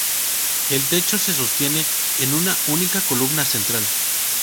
El techo se sostiene en una única columna central.